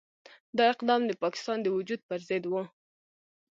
دا اقدام د پاکستان د وجود پرضد وو.